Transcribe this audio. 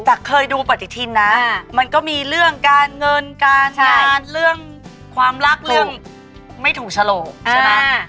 เคยดูปฏิทินนะมันก็มีเรื่องการเงินการงานเรื่องความรักเรื่องไม่ถูกฉลกใช่ไหม